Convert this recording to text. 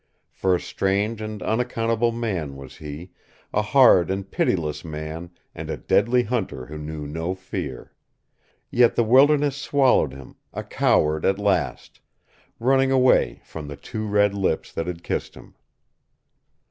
For a strange and unaccountable man was he, a hard and pitiless man and a deadly hunter who knew no fear. Yet the wilderness swallowed him, a coward at last running away from the two red lips that had kissed him.